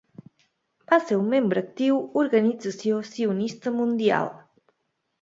Va ser un membre actiu Organització Sionista Mundial.